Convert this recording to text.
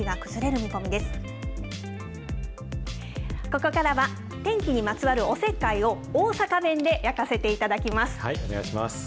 ここからは天気にまつわるおせっかいを、大阪弁で焼かせていお願いします。